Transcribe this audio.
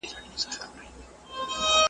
د ګل غونډۍ پر سره لمن له ارغوانه سره `